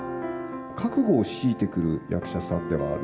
覚悟を強いてくる役者さんではある。